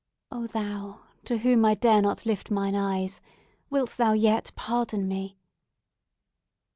O Thou to whom I dare not lift mine eyes, wilt Thou yet pardon me?"